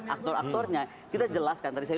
aktor aktornya kita jelaskan tadi saya